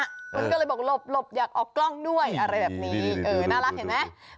มันก็เลยบอกหลบอยากออกกล้องด้วยอะไรแบบนี้เออน่ารักเห็นไหม